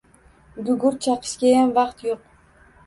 Gugurt chaqishgayam vaqt yo‘q.